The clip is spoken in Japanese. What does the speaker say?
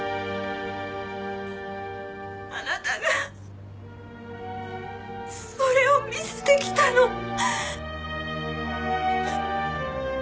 あなたがそれを見せてきたの。